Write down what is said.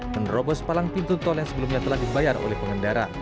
menerobos palang pintu tol yang sebelumnya telah dibayar oleh pengendara